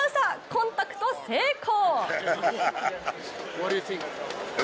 コンタクト成功！